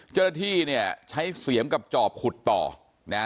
เจอที่เนี่ยใช้เสี่ยงกับจอบขุดต่อนะฮะ